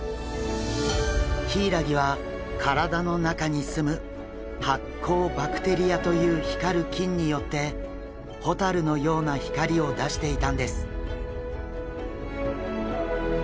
ヒイラギは体の中にすむ発光バクテリアという光る菌によってホタルのような光を出していたんです。